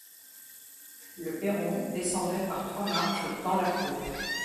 Le perron descendait par trois marches dans la cour.